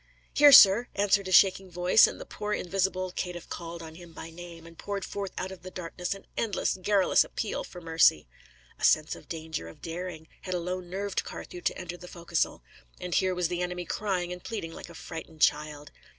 "Here, sir," answered a shaking voice; and the poor invisible caitiff called on him by name, and poured forth out of the darkness an endless, garrulous appeal for mercy. A sense of danger, of daring, had alone nerved Carthew to enter the forecastle; and here was the enemy crying and pleading like a frightened child.